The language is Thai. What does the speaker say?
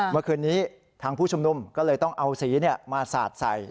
เมื่อคืนนี้ทางผู้ชุมนุมก็เลยต้องเอาสีมาสาดใส่